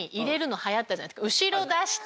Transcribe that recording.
後ろ出して。